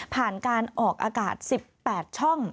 ผ่านการออกอากาศ๑๘ช่อง